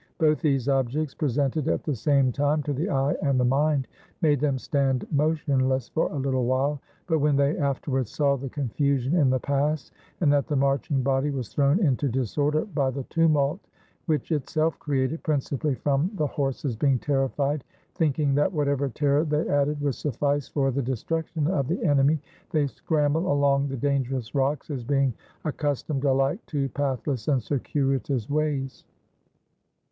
Both these objects, presented at the same time to the eye and the mind, made them stand motionless for a little while; but when they afterwards saw the confusion in the pass, and that the marching body was thrown into disorder by the tumult which itself created, principally from the horses being terrified, thinking that whatever terror they added would suffice for the destruction of the enemy, they scramble along the dangerous rocks, as being accus tomed alike to pathless and circuitous ways.